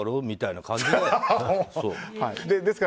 みたいな感じで。